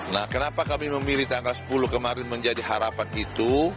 nah kenapa kami memilih tanggal sepuluh kemarin menjadi harapan itu